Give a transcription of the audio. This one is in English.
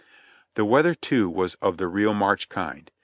The weather too was of the real March kind.